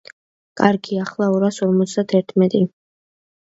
კარგი, ახლა ორას ორმოცდათერთმეტი.